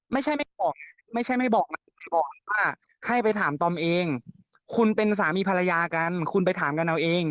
ไม่ใช่ไม่บอกไม่ใช่ไม่บอกว่าให้ไปถามตอมเองคุณเป็นสามีภรรยากันคุณไปถามกันเอาเอง